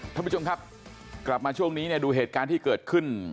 ท่านผู้ชมครับกลับมาช่วงนี้เนี่ยดูเหตุการณ์ที่เกิดขึ้น